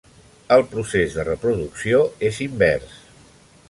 El procés de reproducció és invers.